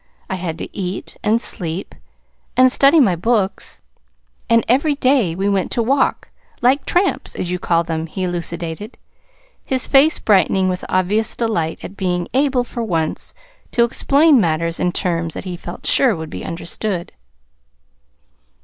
I had to eat and sleep and study my books; and every day we went to walk like tramps, as you call them," he elucidated, his face brightening with obvious delight at being able, for once, to explain matters in terms that he felt sure would be understood.